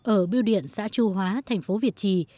ở biêu điện xã chu hóa thành phố việt trì